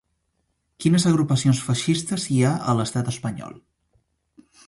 Quines agrupacions feixistes hi ha a l'estat espanyol?